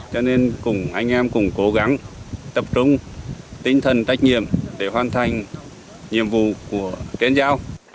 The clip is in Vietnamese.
cho nên anh em cùng cố gắng tập trung tinh thần trách nhiệm để hoàn thành nhiệm vụ của tên giao